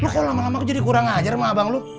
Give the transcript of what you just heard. lo kayaknya lama lama aku jadi kurang ngajar sama abang lu